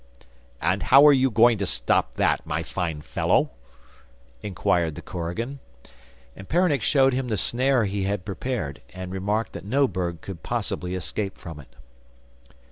'And how are you going to stop that, my fine fellow?' inquired the korigan; and Peronnik showed him the snare he had prepared, and remarked that no bird could possible escape from it.